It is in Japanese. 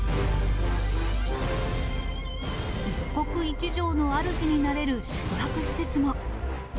一国一城のあるじになれる宿泊施設も。